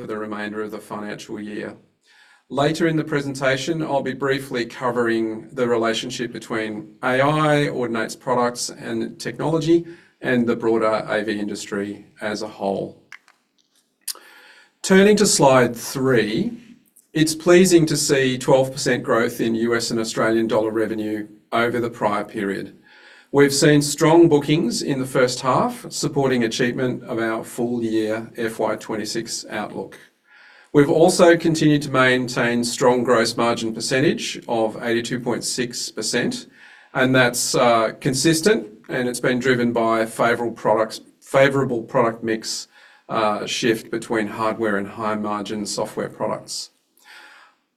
For the remainder of the financial year. Later in the presentation, I'll be briefly covering the relationship between AI, Audinate's products and technology, and the broader AV industry as a whole. Turning to Slide three, it's pleasing to see 12% growth in U.S. and Australian dollar revenue over the prior period. We've seen strong bookings in the first half, supporting achievement of our full year FY 2026 outlook. We've also continued to maintain strong gross margin percentage of 82.6%, and that's consistent, and it's been driven by favorable product mix, shift between hardware and high-margin software products.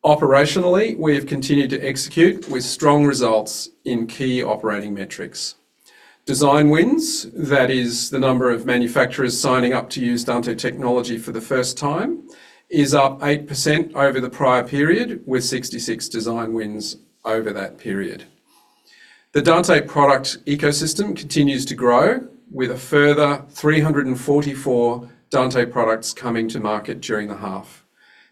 Operationally, we have continued to execute with strong results in key operating metrics. Design wins, that is the number of manufacturers signing up to use Dante technology for the first time, is up 8% over the prior period, with 66 design wins over that period. The Dante product ecosystem continues to grow, with a further 344 Dante products coming to market during the half.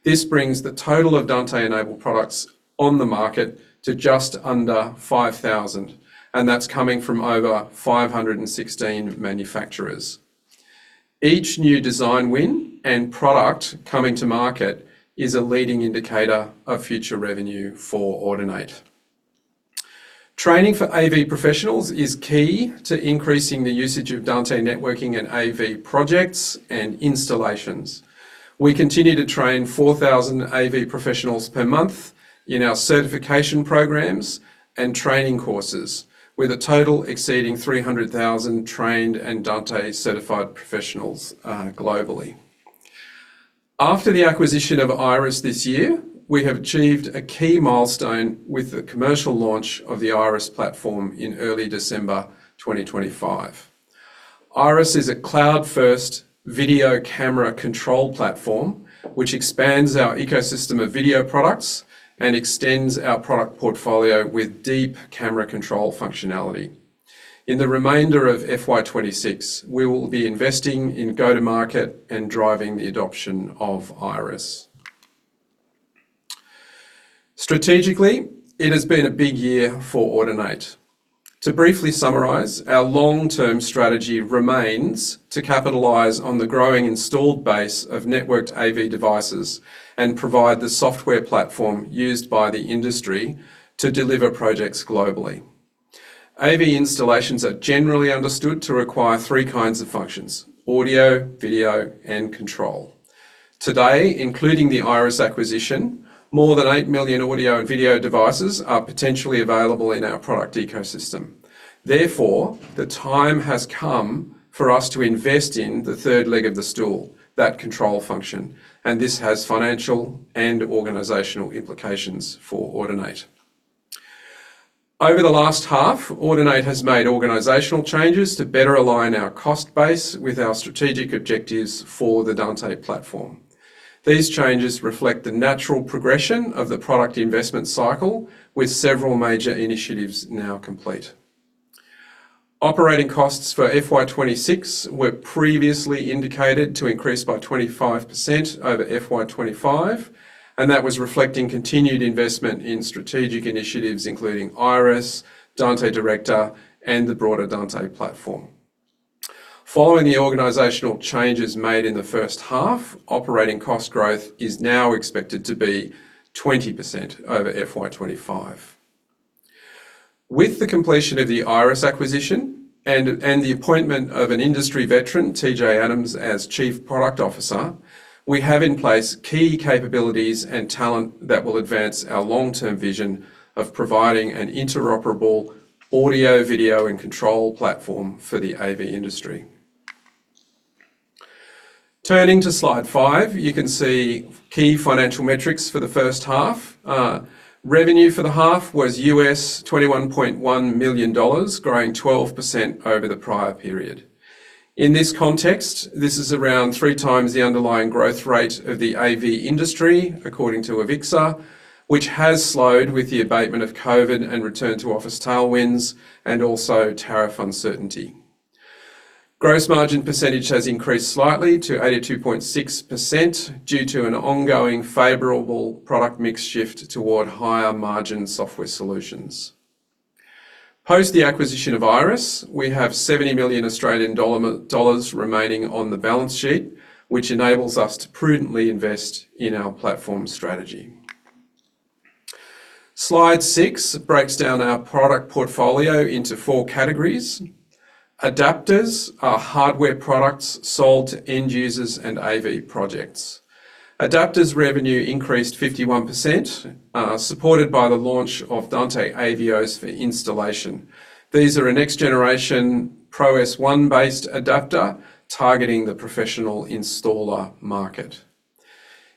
This brings the total of Dante-enabled products on the market to just under 5,000, and that's coming from over 516 manufacturers. Each new design win and product coming to market is a leading indicator of future revenue for Audinate. Training for AV professionals is key to increasing the usage of Dante networking in AV projects and installations. We continue to train 4,000 AV professionals per month in our certification programs and training courses, with a total exceeding 300,000 trained and Dante-certified professionals globally. After the acquisition of Iris this year, we have achieved a key milestone with the commercial launch of the Iris platform in early December 2025. Iris is a cloud-first video camera control platform, which expands our ecosystem of video products and extends our product portfolio with deep camera control functionality. In the remainder of FY 26, we will be investing in go-to-market and driving the adoption of Iris. Strategically, it has been a big year for Audinate. To briefly summarize, our long-term strategy remains to capitalize on the growing installed base of networked AV devices and provide the software platform used by the industry to deliver projects globally. AV installations are generally understood to require three kinds of functions: audio, video, and control. Today, including the Iris acquisition, more than 8 million audio and video devices are potentially available in our product ecosystem. Therefore, the time has come for us to invest in the third leg of the stool, that control function, and this has financial and organizational implications for Audinate. Over the last half, Audinate has made organizational changes to better align our cost base with our strategic objectives for the Dante platform. These changes reflect the natural progression of the product investment cycle, with several major initiatives now complete. Operating costs for FY 2026 were previously indicated to increase by 25% over FY 2025, and that was reflecting continued investment in strategic initiatives, including Iris, Dante Director, and the broader Dante platform. Following the organizational changes made in the first half, operating cost growth is now expected to be 20% over FY 2025. With the completion of the Iris acquisition and the appointment of an industry veteran, TJ Adams, as Chief Product Officer, we have in place key capabilities and talent that will advance our long-term vision of providing an interoperable audio, video, and control platform for the AV industry. Turning to Slide five, you can see key financial metrics for the first half. Revenue for the half was $21.1 million, growing 12% over the prior period. In this context, this is around three times the underlying growth rate of the AV industry, according to AVIXA, which has slowed with the abatement of COVID and return-to-office tailwinds, and also tariff uncertainty. Gross margin percentage has increased slightly to 82.6% due to an ongoing favorable product mix shift toward higher-margin software solutions. Post the acquisition of Iris, we have 70 million Australian dollars remaining on the balance sheet, which enables us to prudently invest in our platform strategy. Slide six breaks down our product portfolio into four categories. Adapters are hardware products sold to end users and AV projects. Adapters revenue increased 51%, supported by the launch of Dante AVIOs for installation. These are a next-generation Pro S1-based adapter targeting the professional installer market.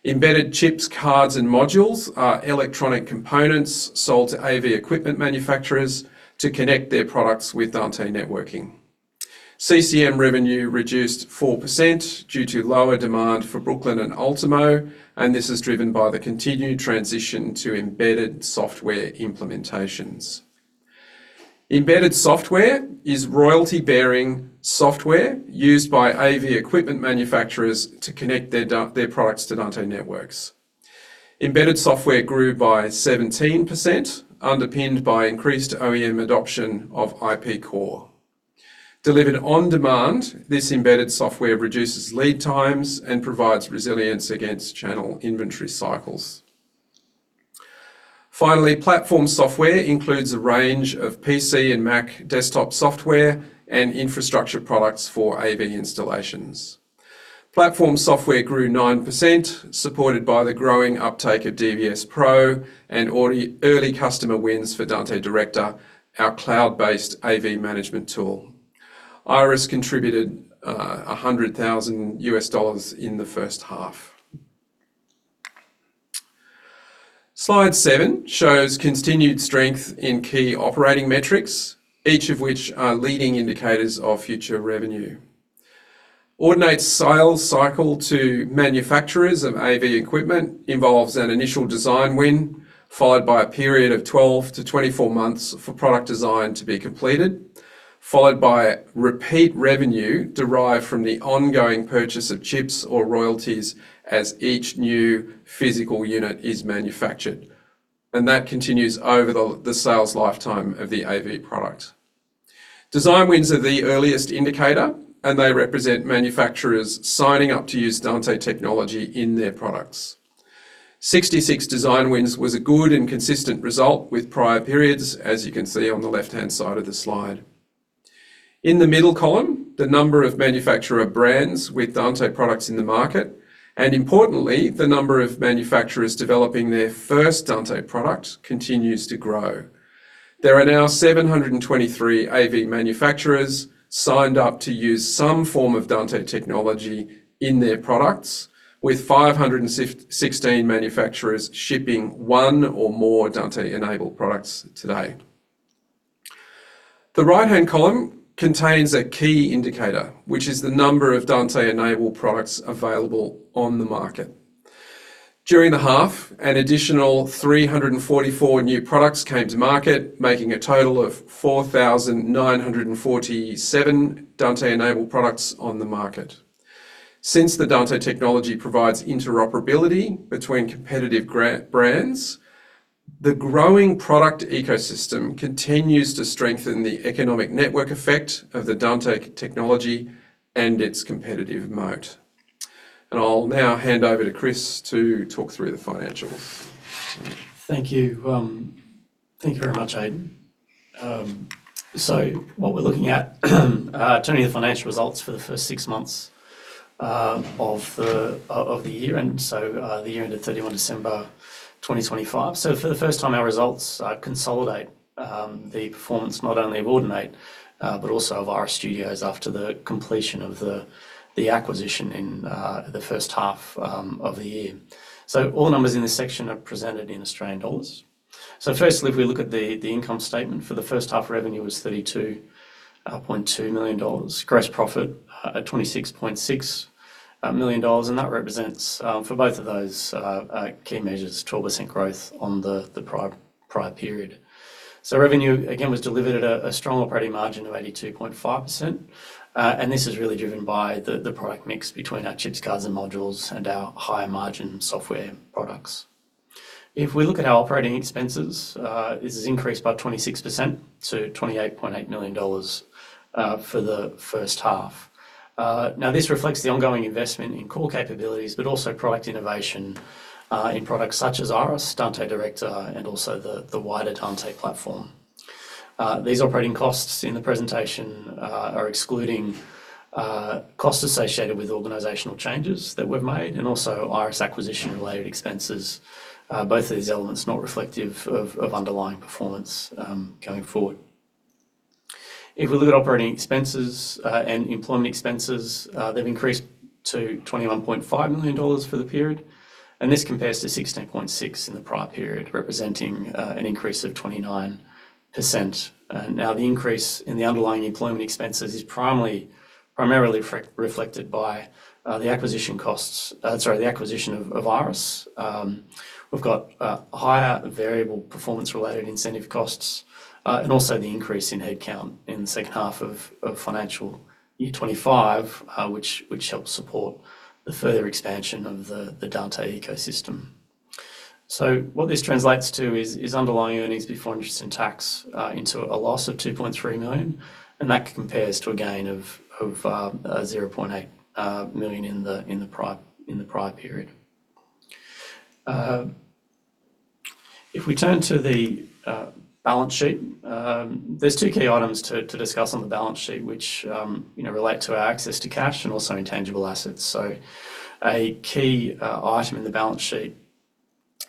Embedded chips, cards, and modules are electronic components sold to AV equipment manufacturers to connect their products with Dante networking. CCM revenue reduced 4% due to lower demand for Brooklyn and Ultimo, and this is driven by the continued transition to embedded software implementations. Embedded software is royalty-bearing software used by AV equipment manufacturers to connect their products to Dante networks. Embedded software grew by 17%, underpinned by increased OEM adoption of IP Core. Delivered on demand, this embedded software reduces lead times and provides resilience against channel inventory cycles. Finally, platform software includes a range of PC and Mac desktop software and infrastructure products for AV installations. Platform software grew 9%, supported by the growing uptake of DVS Pro and early customer wins for Dante Director, our cloud-based AV management tool. Iris contributed $100,000 in the first half. Slide seven shows continued strength in key operating metrics, each of which are leading indicators of future revenue. Audinate's sales cycle to manufacturers of AV equipment involves an initial design win, followed by a period of 12-24 months for product design to be completed, followed by repeat revenue derived from the ongoing purchase of chips or royalties as each new physical unit is manufactured, and that continues over the sales lifetime of the AV product. Design wins are the earliest indicator, and they represent manufacturers signing up to use Dante technology in their products. 66 design wins was a good and consistent result with prior periods, as you can see on the left-hand side of the slide. In the middle column, the number of manufacturer brands with Dante products in the market, and importantly, the number of manufacturers developing their first Dante product, continues to grow. There are now 723 AV manufacturers signed up to use some form of Dante technology in their products, with 516 manufacturers shipping one or more Dante-enabled products today. The right-hand column contains a key indicator, which is the number of Dante-enabled products available on the market. During the half, an additional 344 new products came to market, making a total of 4,947 Dante-enabled products on the market. Since the Dante technology provides interoperability between competitive brands, the growing product ecosystem continues to strengthen the economic network effect of the Dante technology and its competitive moat. I'll now hand over to Chris to talk through the financials. Thank you. Thank you very much, Aidan. So what we're looking at, turning to the financial results for the first six months of the year, and so the year ended 31 December 2025. So for the first time, our results consolidate the performance not only of Audinate, but also of Iris Studio after the completion of the acquisition in the first half of the year. So all numbers in this section are presented in Australian dollars. So firstly, if we look at the income statement for the first half, revenue was 32.2 million dollars. Gross profit at 26.6 million dollars, and that represents for both of those key measures, 12% growth on the prior period. So revenue, again, was delivered at a strong operating margin of 82.5%, and this is really driven by the product mix between our chips, cards, and modules and our higher-margin software products. If we look at our operating expenses, this has increased by 26% to $28.8 million for the first half. Now, this reflects the ongoing investment in core capabilities, but also product innovation in products such as Iris, Dante Director, and also the wider Dante platform. These operating costs in the presentation are excluding costs associated with organizational changes that we've made and also Iris acquisition-related expenses. Both of these elements are not reflective of underlying performance going forward. If we look at operating expenses and employment expenses, they've increased to $21.5 million for the period, and this compares to $16.6 million in the prior period, representing an increase of 29%. Now, the increase in the underlying employment expenses is primarily reflected by the acquisition costs, sorry, the acquisition of Iris. We've got higher variable performance-related incentive costs, and also the increase in headcount in the second half of financial year 2025, which helped support the further expansion of the Dante ecosystem. So what this translates to is underlying earnings before interest and tax into a loss of $2.3 million, and that compares to a gain of $0.8 million in the prior period. If we turn to the balance sheet, there's two key items to discuss on the balance sheet, which, you know, relate to our access to cash and also intangible assets. A key item in the balance sheet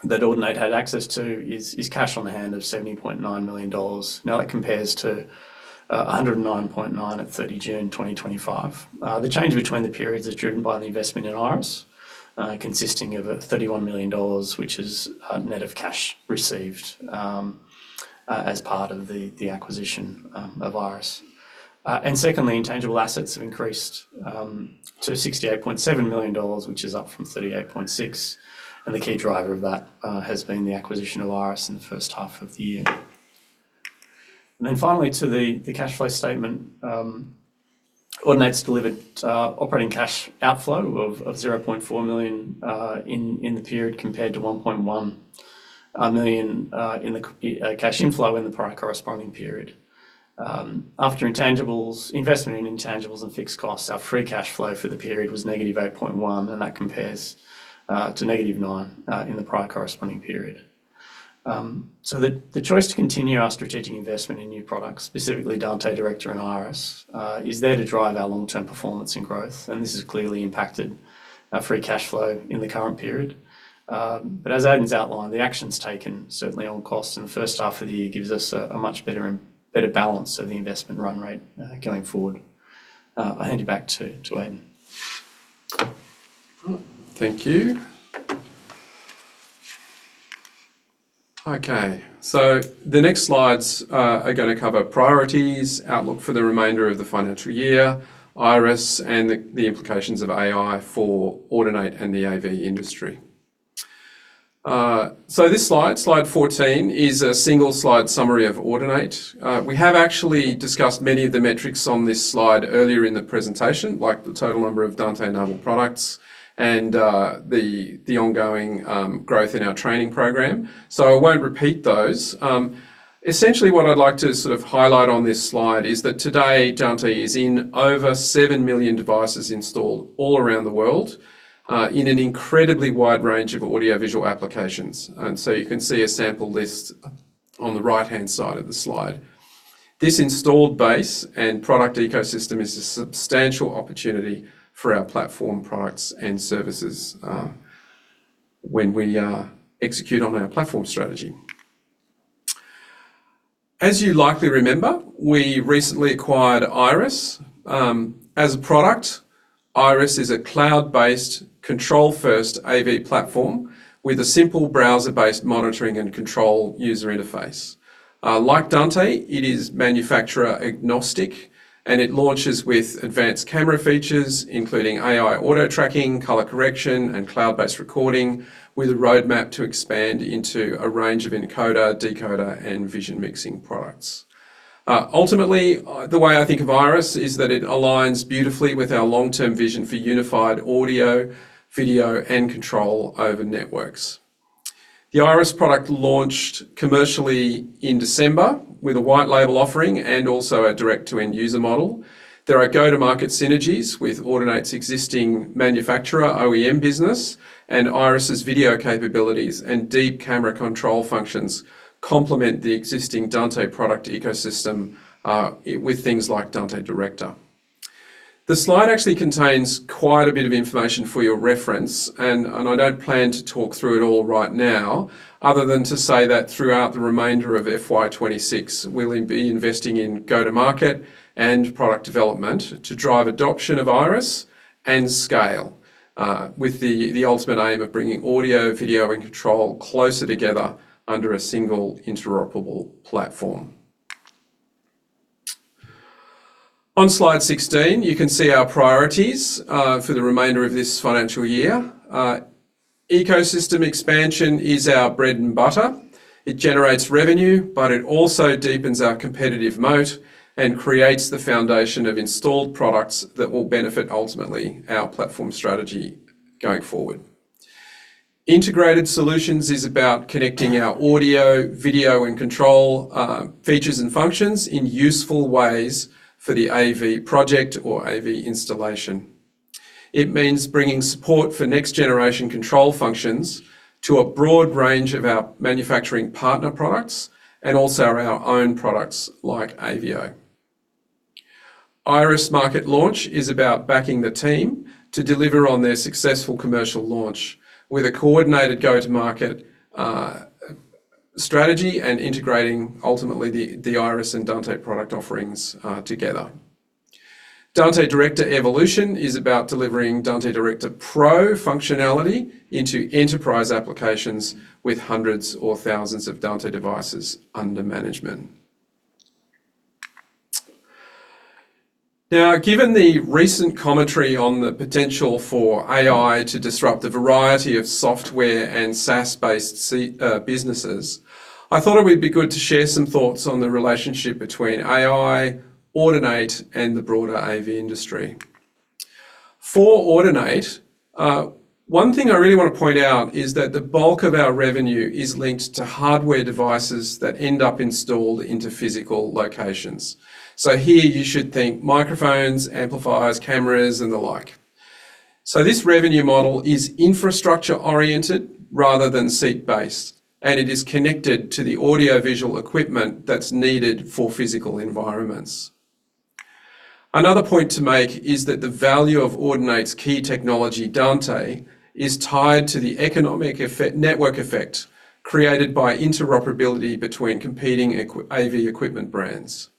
that Audinate had access to is cash on hand of 70.9 million dollars. Now, that compares to 109.9 at 30 June 2025. The change between the periods is driven by the investment in Iris, consisting of 31 million dollars, which is net of cash received as part of the acquisition of Iris. Secondly, intangible assets have increased to 68.7 million dollars, which is up from 38.6 million, and the key driver of that has been the acquisition of Iris in the first half of the year. Then finally, to the cash flow statement, Audinate's delivered operating cash outflow of 0.4 million in the period, compared to 1.1 million in the cash inflow in the prior corresponding period. After intangibles, investment in intangibles and fixed costs, our free cash flow for the period was -8.1 million, and that compares to nine million in the prior corresponding period. So the choice to continue our strategic investment in new products, specifically Dante Director and Iris, is there to drive our long-term performance and growth, and this has clearly impacted our free cash flow in the current period. But as Aidan's outlined, the actions taken, certainly on costs in the first half of the year, gives us a much better balance of the investment run rate going forward. I'll hand you back to Aidan. Thank you. Okay, so the next slides are gonna cover priorities, outlook for the remainder of the financial year, Iris, and the implications of AI for Audinate and the AV industry. So this slide, slide 14, is a single slide summary of Audinate. We have actually discussed many of the metrics on this slide earlier in the presentation, like the total number of Dante-enabled products and the ongoing growth in our training program. So I won't repeat those. Essentially, what I'd like to sort of highlight on this slide is that today, Dante is in over seven million devices installed all around the world, in an incredibly wide range of audiovisual applications, and so you can see a sample list on the right-hand side of the slide. This installed base and product ecosystem is a substantial opportunity for our platform products and services, when we execute on our platform strategy. As you likely remember, we recently acquired Iris. As a product, Iris is a cloud-based, control-first AV platform with a simple browser-based monitoring and control user interface. Like Dante, it is manufacturer agnostic, and it launches with advanced camera features, including AI auto tracking, color correction, and cloud-based recording, with a roadmap to expand into a range of encoder, decoder, and vision mixing products. Ultimately, the way I think of Iris is that it aligns beautifully with our long-term vision for unified audio, video, and control over networks. The Iris product launched commercially in December with a white label offering and also a direct-to-end user model. There are go-to-market synergies with Audinate's existing manufacturer OEM business, and Iris's video capabilities and deep camera control functions complement the existing Dante product ecosystem with things like Dante Director. The slide actually contains quite a bit of information for your reference, and I don't plan to talk through it all right now, other than to say that throughout the remainder of FY 2026, we'll be investing in go-to-market and product development to drive adoption of Iris and scale with the ultimate aim of bringing audio, video, and control closer together under a single interoperable platform. On slide 16, you can see our priorities for the remainder of this financial year. Ecosystem expansion is our bread and butter. It generates revenue, but it also deepens our competitive moat and creates the foundation of installed products that will benefit, ultimately, our platform strategy going forward. Integrated solutions is about connecting our audio, video, and control features and functions in useful ways for the AV project or AV installation. It means bringing support for next-generation control functions to a broad range of our manufacturing partner products and also our own products like AVIO. Iris market launch is about backing the team to deliver on their successful commercial launch with a coordinated go-to-market strategy and integrating ultimately the Iris and Dante product offerings together. Dante Director Evolution is about delivering Dante Director Pro functionality into enterprise applications with hundreds or thousands of Dante devices under management. Now, given the recent commentary on the potential for AI to disrupt a variety of software and SaaS-based businesses, I thought it would be good to share some thoughts on the relationship between AI, Audinate, and the broader AV industry. For Audinate, one thing I really want to point out is that the bulk of our revenue is linked to hardware devices that end up installed into physical locations. So here you should think microphones, amplifiers, cameras, and the like. So this revenue model is infrastructure-oriented rather than seat-based, and it is connected to the audiovisual equipment that's needed for physical environments. Another point to make is that the value of Audinate's key technology, Dante, is tied to the network effect created by interoperability between competing AV equipment brands.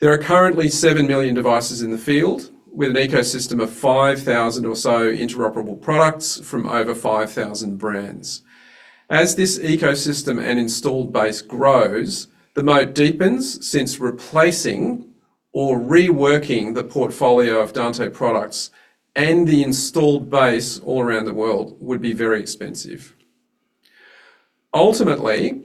There are currently seven million devices in the field, with an ecosystem of 5,000 or so interoperable products from over 5,000 brands. As this ecosystem and installed base grows, the moat deepens, since replacing or reworking the portfolio of Dante products and the installed base all around the world would be very expensive. Ultimately,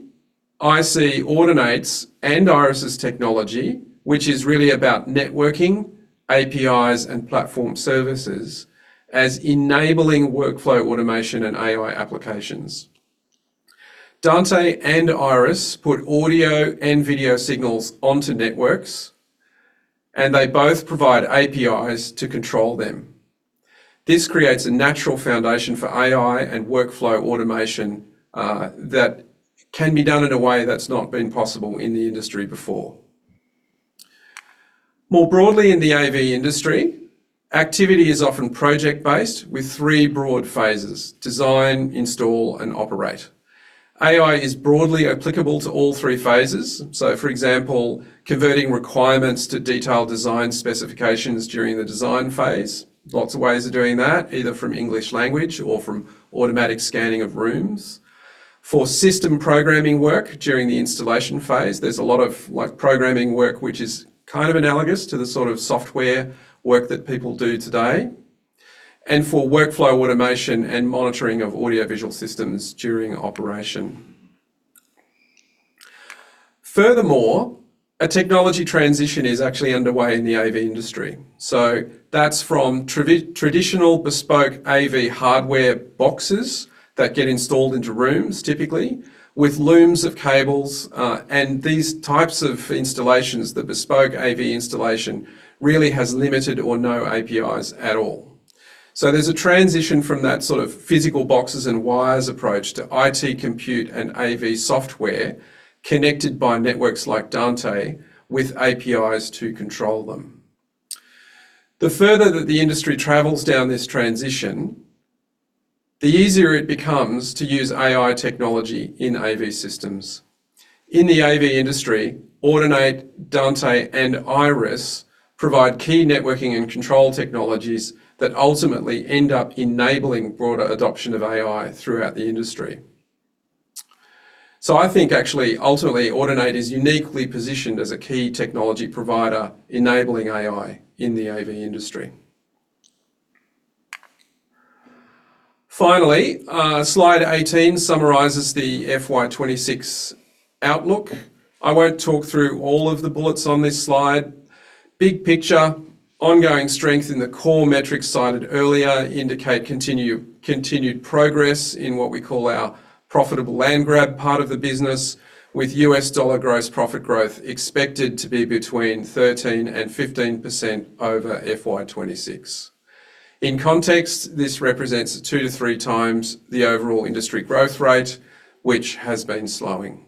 I see Audinate's and Iris's technology, which is really about networking, APIs, and platform services, as enabling workflow automation and AI applications. Dante and Iris put audio and video signals onto networks, and they both provide APIs to control them. This creates a natural foundation for AI and workflow automation, that can be done in a way that's not been possible in the industry before. More broadly, in the AV industry, activity is often project-based with three broad phases: design, install, and operate. AI is broadly applicable to all three phases. So for example, converting requirements to detailed design specifications during the design phase. Lots of ways of doing that, either from English language or from automatic scanning of rooms. For system programming work during the installation phase, there's a lot of like programming work, which is kind of analogous to the sort of software work that people do today, and for workflow automation and monitoring of audiovisual systems during operation. Furthermore, a technology transition is actually underway in the AV industry. So that's from traditional bespoke AV hardware boxes that get installed into rooms, typically with looms of cables. And these types of installations, the bespoke AV installation, really has limited or no APIs at all. So there's a transition from that sort of physical boxes and wires approach to IT compute and AV software connected by networks like Dante with APIs to control them. The further that the industry travels down this transition, the easier it becomes to use AI technology in AV systems. In the AV industry, Audinate, Dante, and Iris provide key networking and control technologies that ultimately end up enabling broader adoption of AI throughout the industry. So I think actually, ultimately, Audinate is uniquely positioned as a key technology provider, enabling AI in the AV industry. Finally, slide 18 summarizes the FY 2026 outlook. I won't talk through all of the bullets on this slide. Big picture, ongoing strength in the core metrics cited earlier indicate continued progress in what we call our profitable land grab part of the business, with U.S. dollar gross profit growth expected to be between 13% and 15% over FY 2026. In context, this represents two to three times the overall industry growth rate, which has been slowing.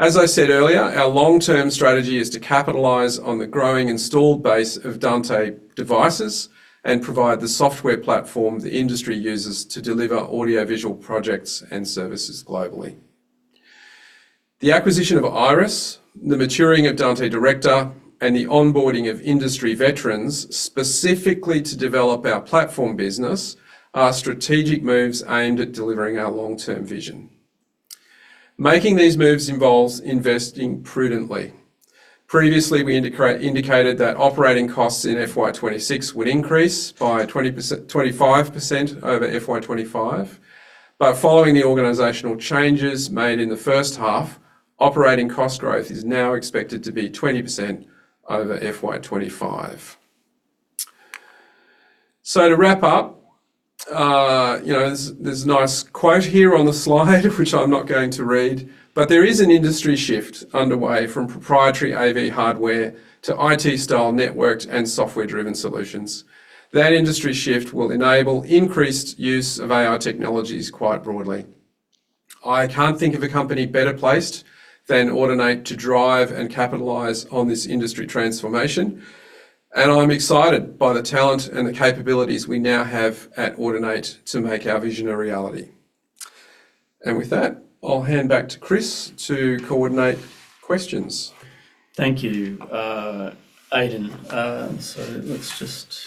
As I said earlier, our long-term strategy is to capitalize on the growing installed base of Dante devices and provide the software platform the industry uses to deliver audiovisual projects and services globally. The acquisition of Iris, the maturing of Dante Director, and the onboarding of industry veterans, specifically to develop our platform business, are strategic moves aimed at delivering our long-term vision. Making these moves involves investing prudently. Previously, we indicated that operating costs in FY 2026 would increase by 20%-25% over FY 2025. But following the organizational changes made in the first half, operating cost growth is now expected to be 20% over FY 2025. So to wrap up, you know, there's, there's a nice quote here on the slide, which I'm not going to read, but there is an industry shift underway from proprietary AV hardware to IT-style networked and software-driven solutions. That industry shift will enable increased use of AI technologies quite broadly. I can't think of a company better placed than Audinate to drive and capitalize on this industry transformation, and I'm excited by the talent and the capabilities we now have at Audinate to make our vision a reality. With that, I'll hand back to Chris to coordinate questions. Thank you, Aidan. So let's just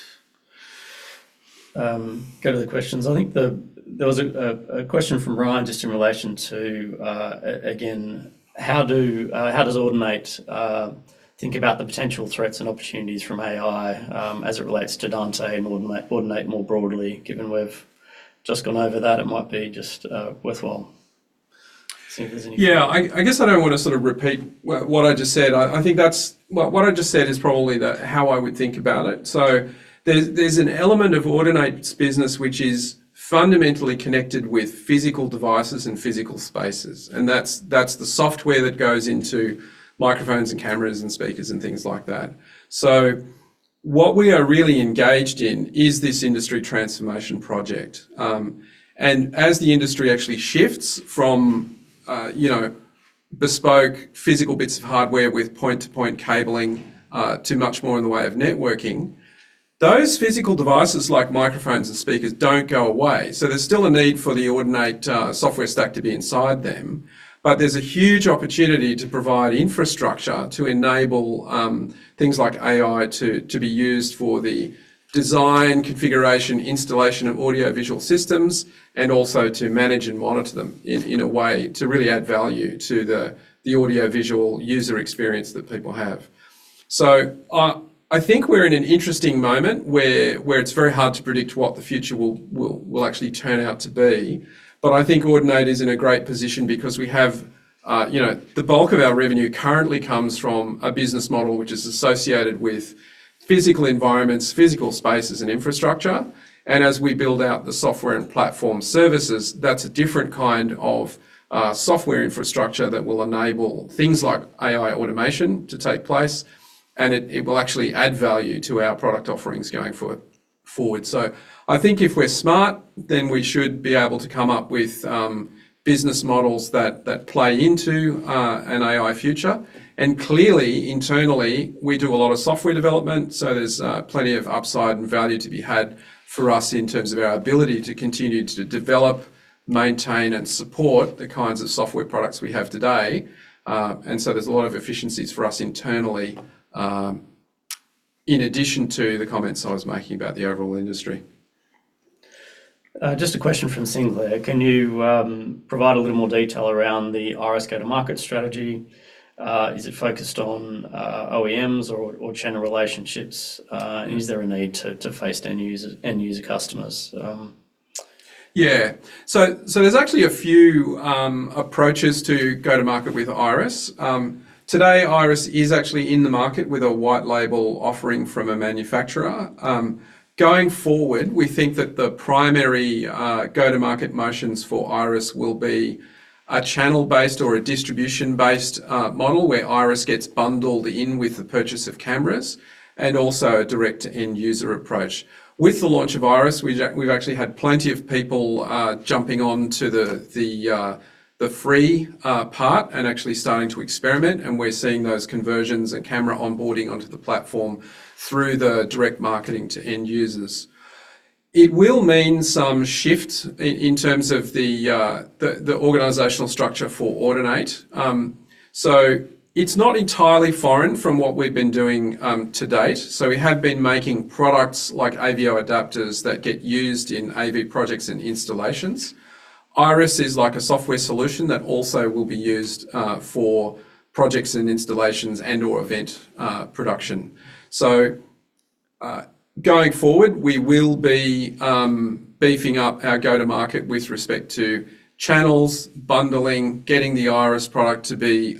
go to the questions. I think there was a question from Ryan just in relation to, again, how does Audinate think about the potential threats and opportunities from AI, as it relates to Dante and Audinate more broadly? Given we've just gone over that, it might be just worthwhile seeing if there's anything. Yeah, I guess I don't want to sort of repeat what I just said. I think that's. What I just said is probably the how I would think about it. So there's an element of Audinate's business, which is fundamentally connected with physical devices and physical spaces, and that's the software that goes into microphones and cameras and speakers and things like that. So what we are really engaged in is this industry transformation project. And as the industry actually shifts from you know, bespoke physical bits of hardware with point-to-point cabling to much more in the way of networking. Those physical devices, like microphones and speakers, don't go away, so there's still a need for the Audinate software stack to be inside them. But there's a huge opportunity to provide infrastructure to enable things like AI to be used for the design, configuration, installation of audiovisual systems, and also to manage and monitor them in a way to really add value to the audiovisual user experience that people have. So, I think we're in an interesting moment where it's very hard to predict what the future will actually turn out to be. But I think Audinate is in a great position because we have, you know, the bulk of our revenue currently comes from a business model, which is associated with physical environments, physical spaces and infrastructure. As we build out the software and platform services, that's a different kind of software infrastructure that will enable things like AI automation to take place, and it will actually add value to our product offerings going forward. So I think if we're smart, then we should be able to come up with business models that play into an AI future. And clearly, internally, we do a lot of software development, so there's plenty of upside and value to be had for us in terms of our ability to continue to develop, maintain, and support the kinds of software products we have today. And so there's a lot of efficiencies for us internally in addition to the comments I was making about the overall industry. Just a question from Sinclair: Can you provide a little more detail around the Iris go-to-market strategy? Is it focused on OEMs or channel relationships? And is there a need to face end user, end-user customers? Yeah. So there's actually a few approaches to go to market with Iris. Today, Iris is actually in the market with a white label offering from a manufacturer. Going forward, we think that the primary go-to-market motions for Iris will be a channel-based or a distribution-based model, where Iris gets bundled in with the purchase of cameras, and also a direct end-user approach. With the launch of Iris, we've actually had plenty of people jumping on to the free part and actually starting to experiment, and we're seeing those conversions and camera onboarding onto the platform through the direct marketing to end users. It will mean some shifts in terms of the organizational structure for Audinate. So it's not entirely foreign from what we've been doing to date. So we have been making products like AVIO adapters that get used in AV projects and installations. Iris is like a software solution that also will be used for projects and installations and/or event production. So going forward, we will be beefing up our go-to-market with respect to channels, bundling, getting the Iris product to be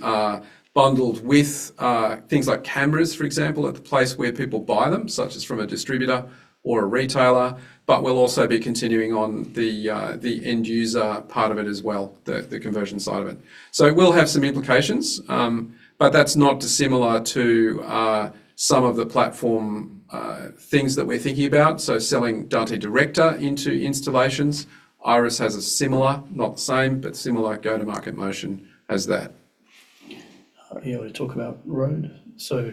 bundled with things like cameras, for example, at the place where people buy them, such as from a distributor or a retailer. But we'll also be continuing on the end-user part of it as well, the conversion side of it. So it will have some implications, but that's not dissimilar to some of the platform things that we're thinking about. So selling Dante Director into installations, Iris has a similar, not the same, but similar go-to-market motion as that. Are you able to talk about RØDE? So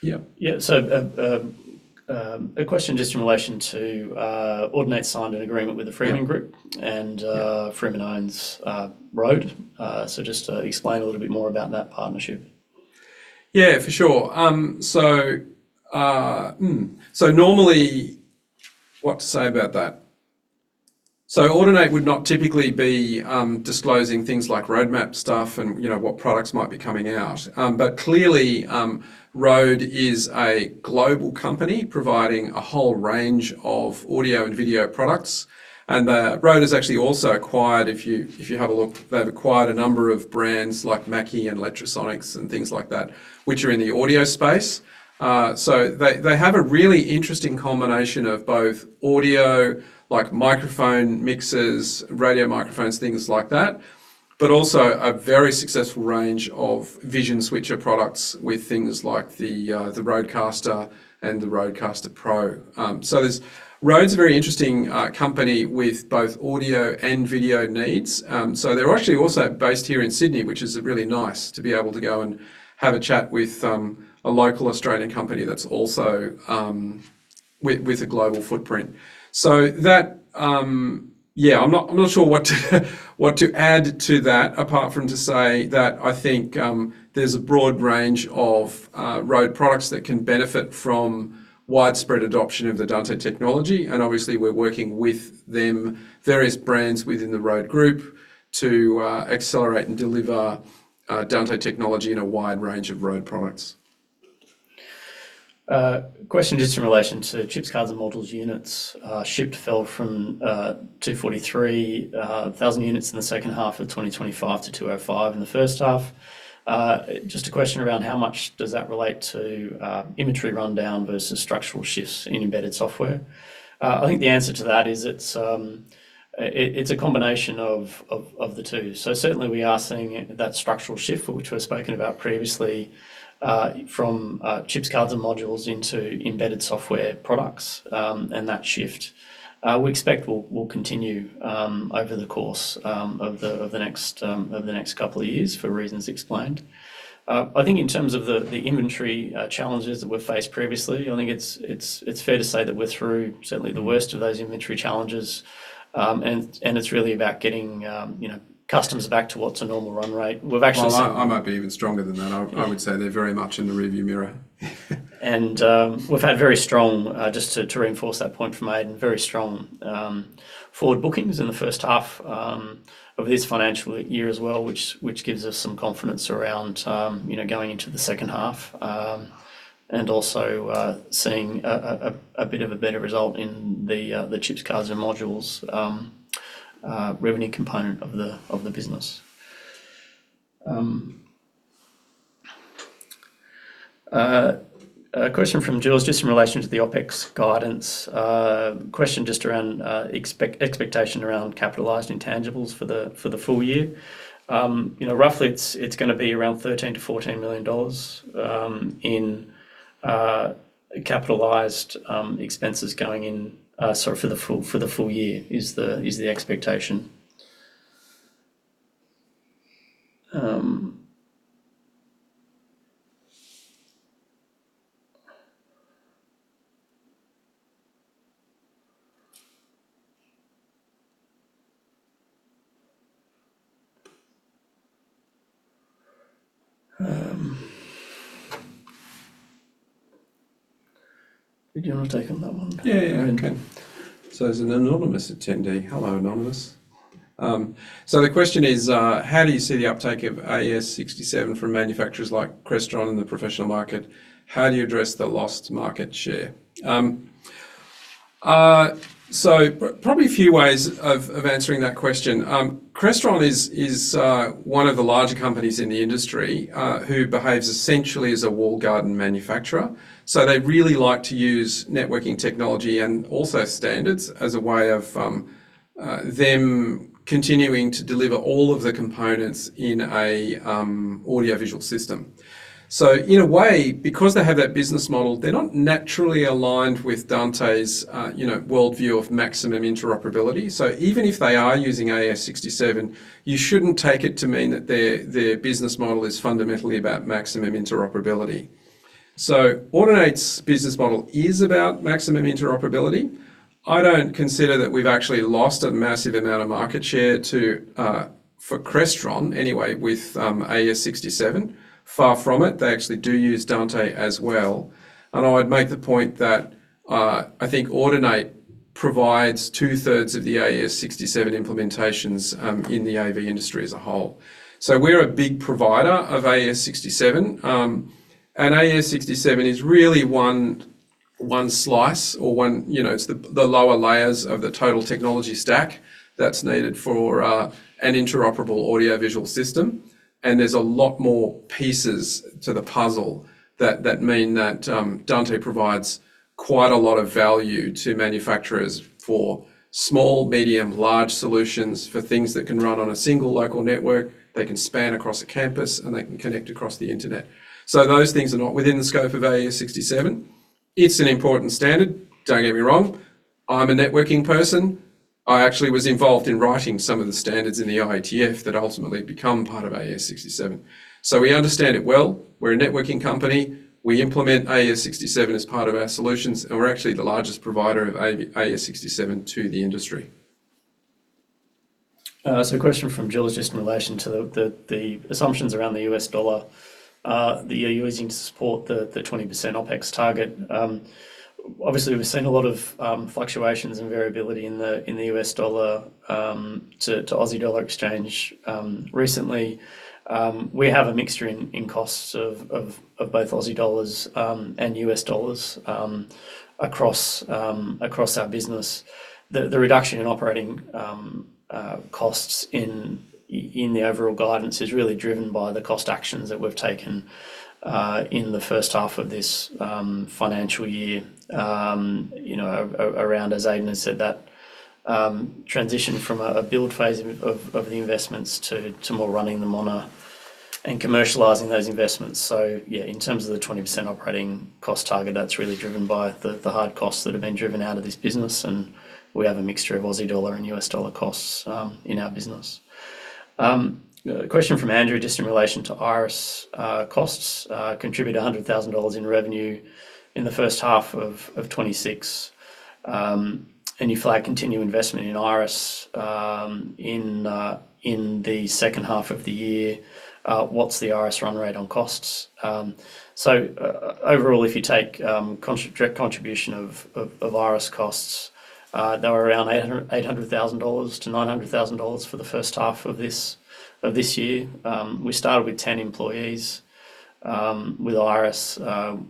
Yeah. Yeah, so, a question just in relation to Audinate signed an agreement with the Freedman Group. Yeah. And. Yeah. Freedman owns RØDE. So just explain a little bit more about that partnership. Yeah, for sure. So normally, what to say about that? So Audinate would not typically be disclosing things like roadmap stuff and, you know, what products might be coming out. But clearly, RØDE is a global company providing a whole range of audio and video products, and RØDE has actually also acquired, if you have a look, they've acquired a number of brands like Mackie and Lectrosonics and things like that, which are in the audio space. So they have a really interesting combination of both audio, like microphone mixes, radio microphones, things like that, but also a very successful range of vision switcher products with things like the RØDECaster and the RØDECaster Pro. So there's RØDE's a very interesting company with both audio and video needs. So they're actually also based here in Sydney, which is really nice to be able to go and have a chat with a local Australian company that's also with a global footprint. So that. Yeah, I'm not sure what to add to that, apart from to say that I think there's a broad range of RØDE products that can benefit from widespread adoption of the Dante technology, and obviously, we're working with them, various brands within the RØDE group, to accelerate and deliver Dante technology in a wide range of RØDE products. Question just in relation to chips, cards, and modules units. Shipped fell from 243,000 units in the second half of 2025 to 205,000 in the first half. Just a question around: how much does that relate to inventory rundown versus structural shifts in embedded software? I think the answer to that is it's a combination of the two. So certainly we are seeing that structural shift, which we've spoken about previously, from chips, cards, and modules into embedded software products. And that shift, we expect will continue over the course of the next couple of years, for reasons explained. I think in terms of the inventory challenges that we've faced previously, I think it's fair to say that we're through certainly the worst of those inventory challenges. It's really about getting, you know, customers back towards a normal run rate. We've actually. Well, I might be even stronger than that. I would say they're very much in the rearview mirror. We've had very strong, just to reinforce that point from Aidan, very strong forward bookings in the first half of this financial year as well, which gives us some confidence around, you know, going into the second half. And also seeing a bit of a better result in the Chips, Cards, and Modules revenue component of the business. A question from Jules, just in relation to the OpEx guidance. Question just around expectation around capitalized intangibles for the full year. You know, roughly it's gonna be around 13 million-14 million dollars in capitalized expenses going in, sorry, for the full year, is the expectation. Do you want to take on that one? Yeah, yeah, I can. So as an anonymous attendee, hello, anonymous. So the question is, how do you see the uptake of AES67 from manufacturers like Crestron in the professional market? How do you address the lost market share? So probably a few ways of answering that question. Crestron is one of the larger companies in the industry who behaves essentially as a walled garden manufacturer. So they really like to use networking technology and also standards as a way of them continuing to deliver all of the components in a audio-visual system. So in a way, because they have that business model, they're not naturally aligned with Dante's you know worldview of maximum interoperability. So even if they are using AES67, you shouldn't take it to mean that their business model is fundamentally about maximum interoperability. So Audinate's business model is about maximum interoperability. I don't consider that we've actually lost a massive amount of market share to Crestron anyway, with AES67. Far from it, they actually do use Dante as well. And I'd make the point that I think Audinate provides two-thirds of the AES67 implementations in the AV industry as a whole. So we're a big provider of AES67. And AES67 is really one slice or one. You know, it's the lower layers of the total technology stack that's needed for an interoperable audio-visual system. There's a lot more pieces to the puzzle that mean that Dante provides quite a lot of value to manufacturers for small, medium, large solutions, for things that can run on a single local network, they can span across a campus, and they can connect across the internet. So those things are not within the scope of AES67. It's an important standard, don't get me wrong. I'm a networking person. I actually was involved in writing some of the standards in the IETF that ultimately become part of AES67. So we understand it well. We're a networking company. We implement AES67 as part of our solutions, and we're actually the largest provider of AES67 to the industry. So a question from Jules, just in relation to the assumptions around the U.S. dollar that you're using to support the 20% OpEx target. Obviously, we've seen a lot of fluctuations and variability in the U.S. dollar to Aussie dollar exchange recently. We have a mixture in costs of both Aussie dollars and U.S. dollars across our business. The reduction in operating costs in the overall guidance is really driven by the cost actions that we've taken in the first half of this financial year. You know, around, as Aidan has said, that transition from a build phase of the investments to more running them on a and commercializing those investments. So yeah, in terms of the 20% operating cost target, that's really driven by the hard costs that have been driven out of this business, and we have a mixture of Aussie dollar and U.S. dollar costs in our business. A question from Andrew, just in relation to Iris costs contribute 100,000 dollars in revenue in the first half of 2026. And you flag continue investment in Iris in the second half of the year. What's the Iris run rate on costs? So overall, if you take direct contribution of Iris costs, they were around 800,000-900,000 dollars for the first half of this year. We started with 10 employees. With Iris,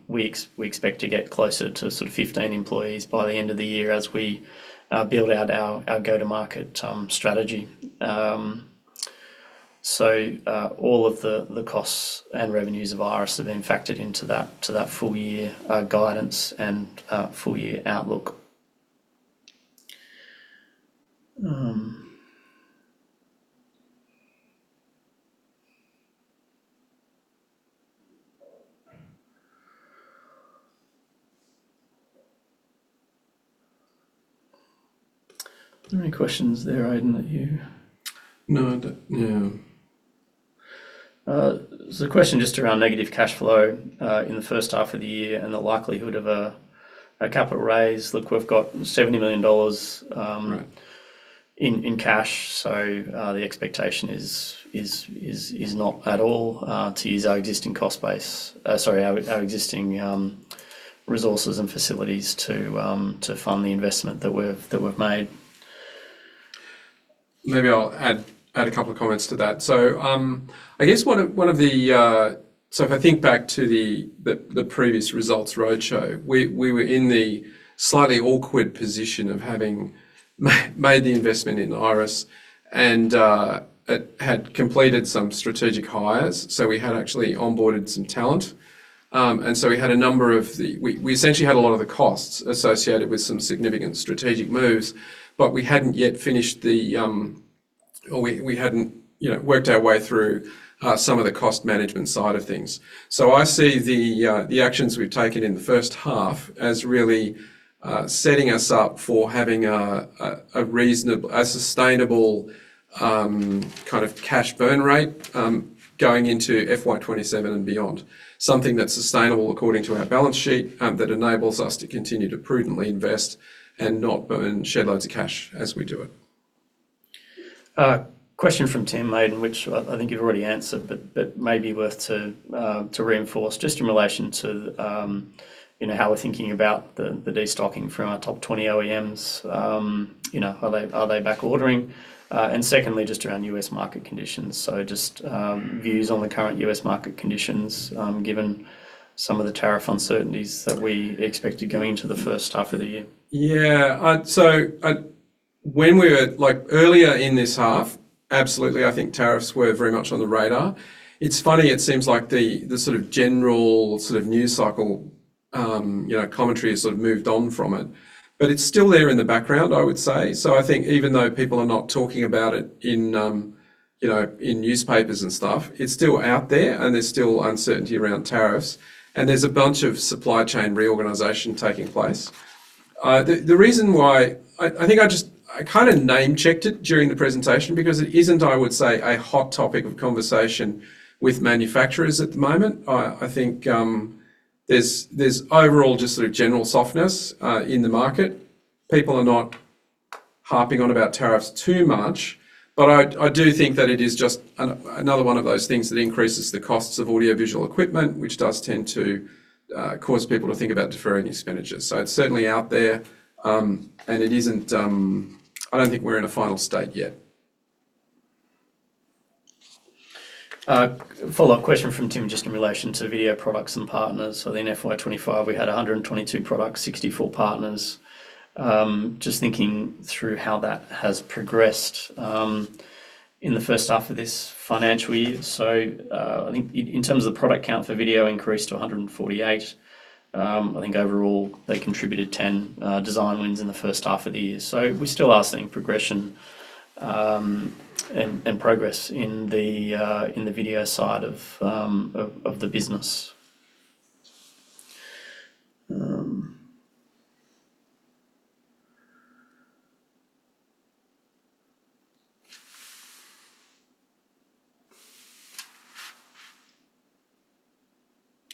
we expect to get closer to sort of 15 employees by the end of the year as we build out our go-to-market strategy. So, all of the costs and revenues of Iris have been factored into that full year guidance and full year outlook. Are there any questions there, Aidan, that you? No, I don't. Yeah. So, the question just around negative cash flow in the first half of the year, and the likelihood of a capital raise. Look, we've got $70 million. Right In cash, so the expectation is not at all to use our existing cost base. Sorry, our existing resources and facilities to fund the investment that we've made. Maybe I'll add a couple of comments to that. So if I think back to the previous results roadshow, we were in the slightly awkward position of having made the investment in Iris and had completed some strategic hires. So we had actually onboarded some talent. And so we had a number of the. We essentially had a lot of the costs associated with some significant strategic moves, but we hadn't yet finished, or we hadn't, you know, worked our way through some of the cost management side of things. So I see the actions we've taken in the first half as really setting us up for having a reasonable, a sustainable kind of cash burn rate going into FY 2027 and beyond. Something that's sustainable according to our balance sheet that enables us to continue to prudently invest and not burn shed loads of cash as we do it. Question from Tim, Aidan, which I think you've already answered, but may be worth to reinforce just in relation to, you know, how we're thinking about the destocking from our top 20 OEMs. You know, are they back ordering? And secondly, just around U.S. market conditions. So just views on the current U.S. market conditions, given some of the tariff uncertainties that we expected going into the first half of the year. Yeah. So, when we were like earlier in this half, absolutely, I think tariffs were very much on the radar. It's funny, it seems like the sort of general sort of news cycle, you know, commentary has sort of moved on from it, but it's still there in the background, I would say. So I think even though people are not talking about it in, you know, in newspapers and stuff, it's still out there, and there's still uncertainty around tariffs, and there's a bunch of supply chain reorganization taking place. The reason why. I think I just kind of name-checked it during the presentation because it isn't, I would say, a hot topic of conversation with manufacturers at the moment. I think there's overall just sort of general softness in the market. People are not harping on about tariffs too much, but I do think that it is just another one of those things that increases the costs of audiovisual equipment, which does tend to cause people to think about deferring expenditures. So it's certainly out there, and it isn't. I don't think we're in a final state yet. Follow-up question from Tim, just in relation to video products and partners. So in FY 2025, we had 122 products, 64 partners. Just thinking through how that has progressed, in the first half of this financial year. So, I think in, in terms of the product count for video increased to 148. I think overall, they contributed 10 design wins in the first half of the year. So we still are seeing progression, and, and progress in the, in the video side of, of, of the business. Do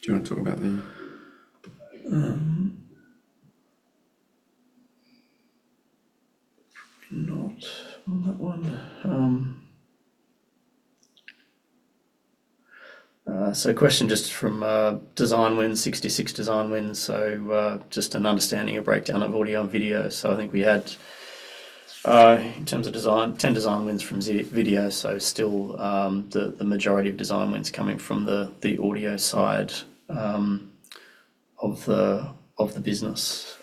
you want to talk about the Not on that one. So, question just from design wins, 66 design wins. So, just an understanding of breakdown of audio and video. So, I think we had, in terms of design, 10 design wins from video. So, still, the majority of design wins coming from the audio side of the business.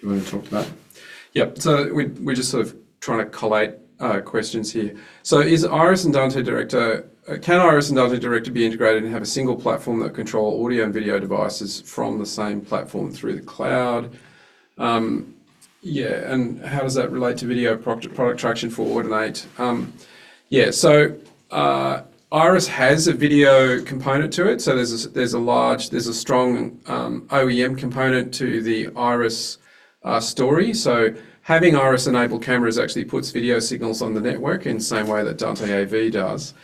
Do you want to talk to that? Yeah. So we're just sort of trying to collate questions here. So is Iris and Dante Director. Can Iris and Dante Director be integrated and have a single platform that control audio and video devices from the same platform through the cloud? Yeah, and how does that relate to video product traction for Audinate? Yeah, so Iris has a video component to it. So there's a large, strong OEM component to the Iris story. So having Iris-enabled cameras actually puts video signals on the network in the same way that Dante AV does.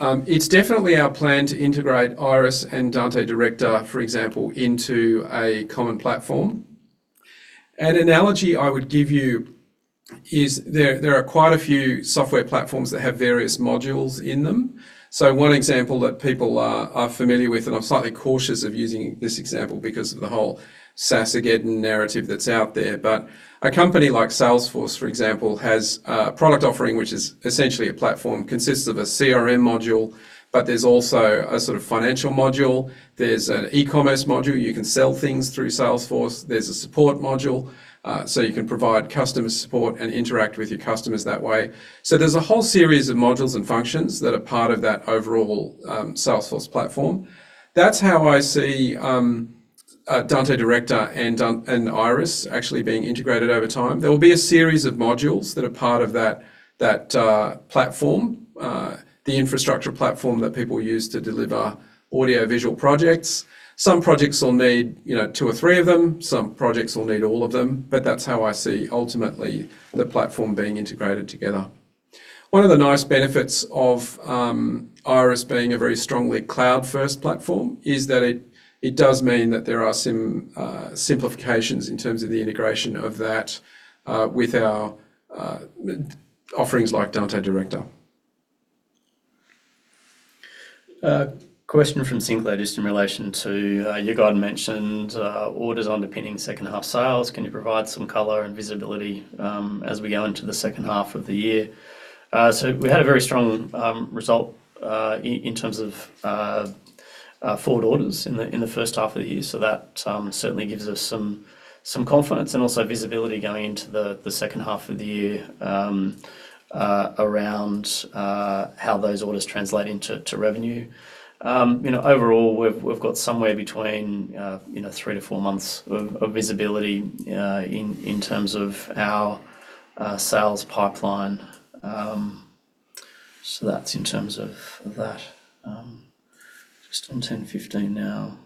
It's definitely our plan to integrate Iris and Dante Director, for example, into a common platform. An analogy I would give you is there are quite a few software platforms that have various modules in them. So one example that people are familiar with, and I'm slightly cautious of using this example because of the whole SaaSageddon narrative that's out there. But a company like Salesforce, for example, has a product offering, which is essentially a platform, consists of a CRM module, but there's also a sort of financial module. There's an e-commerce module, you can sell things through Salesforce. There's a support module, so you can provide customer support and interact with your customers that way. So there's a whole series of modules and functions that are part of that overall, Salesforce platform. That's how I see Dante Director and Dante and Iris actually being integrated over time. There will be a series of modules that are part of that platform, the infrastructure platform that people use to deliver audiovisual projects. Some projects will need, you know, two or three of them, some projects will need all of them, but that's how I see ultimately the platform being integrated together. One of the nice benefits of Iris being a very strongly cloud-first platform is that it does mean that there are simplifications in terms of the integration of that with our offerings like Dante Director. Question from Sinclair just in relation to you guys mentioned orders underpinning second half sales. Can you provide some color and visibility as we go into the second half of the year? So we had a very strong result in terms of forward orders in the first half of the year. So that certainly gives us some confidence and also visibility going into the second half of the year around how those orders translate into revenue. You know, overall, we've got somewhere between three to four months of visibility in terms of our sales pipeline. So that's in terms of that. Just on 10:15 now.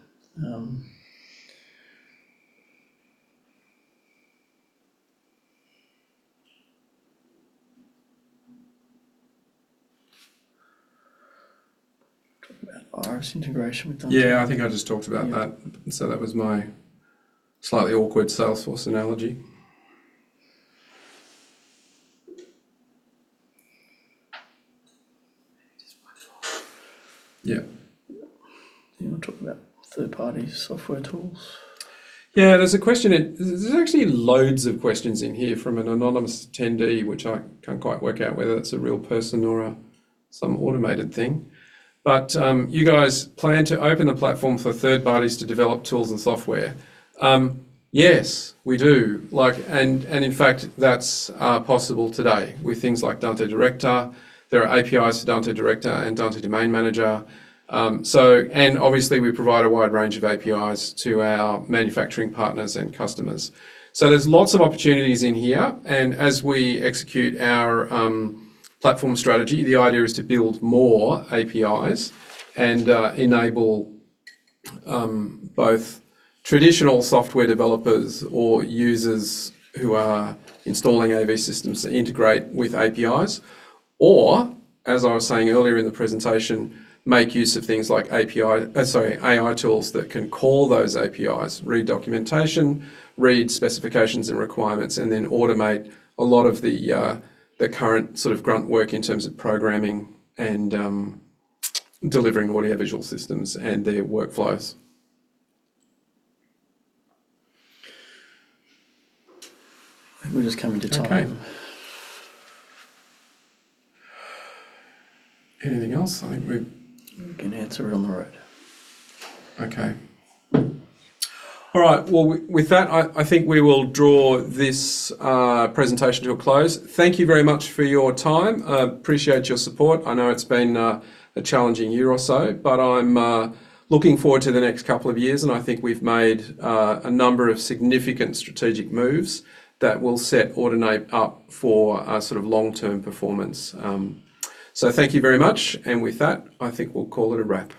Talk about Iris integration with them. Yeah, I think I just talked about that. Yeah. So that was my slightly awkward Salesforce analogy. It is my fault. Yeah. You want to talk about third-party software tools? Yeah, there's a question, and there's actually loads of questions in here from an anonymous attendee, which I can't quite work out whether it's a real person or, some automated thing. But, you guys plan to open the platform for third parties to develop tools and software? Yes, we do. Like, and, and in fact, that's possible today with things like Dante Director. There are APIs for Dante Director and Dante Domain Manager. So, and obviously, we provide a wide range of APIs to our manufacturing partners and customers. So there's lots of opportunities in here, and as we execute our, platform strategy, the idea is to build more APIs and, enable, both traditional software developers or users who are installing AV systems to integrate with APIs. Or, as I was saying earlier in the presentation, make use of things like API, sorry, AI tools that can call those APIs, read documentation, read specifications and requirements, and then automate a lot of the, the current sort of grunt work in terms of programming and, delivering audiovisual systems and their workflows. I think we're just coming to time. Okay. Anything else? I think we. We can answer on the road. Okay. All right, well, with that, I think we will draw this presentation to a close. Thank you very much for your time. I appreciate your support. I know it's been a challenging year or so, but I'm looking forward to the next couple of years, and I think we've made a number of significant strategic moves that will set Audinate up for a sort of long-term performance. So thank you very much, and with that, I think we'll call it a wrap.